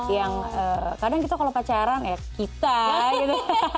yang kadang kita kalau pacaran ya kita gitu